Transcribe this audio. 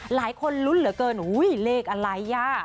หลายคนลุ้นเหลือเกินอุ้ยเลขอะไรอ่ะ